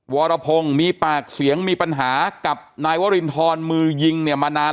วรพงศ์มีปากเสียงมีปัญหากับนายวรินทรมือยิงเนี่ยมานาน